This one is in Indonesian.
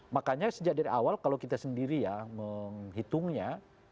makanya sejak dari awal kalau kita sendiri ya menghitungnya